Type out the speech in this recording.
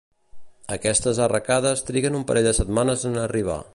Aquestes arracades triguen un parell de setmanes en arribar.